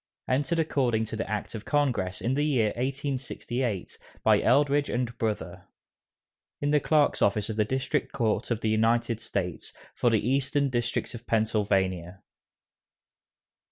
Entered according to Act of Congress, in the year 1868, by ELDREDGE & BROTHER, in the Clerk's Office of the District Court of the United States for the Eastern District of Pennsylvania.